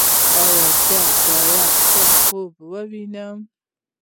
ایا زه باید ښه خوب ووینم؟